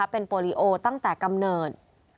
เป็นโปรลีโอตั้งแต่กำเนิด